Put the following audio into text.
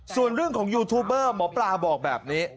ส่วนเรื่องของยูทูบเบอร์หมอปลาบอกแบบนี้